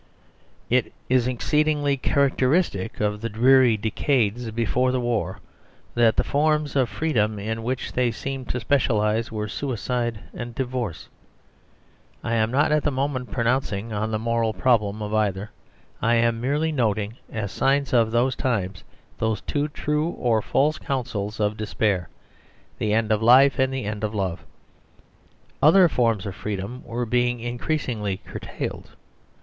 It is exceedingly characteristic of the dreary decades before the War that the forms of freedom in which they seemed to specialise were suicide and divorce. I am not at the moment pronouncing on the moral problem of either; I am merely noting, as signs of those times, those two true or false counsels of despair; the end of life and the end of love. Other forms of freedom were being increas ingly curtailed.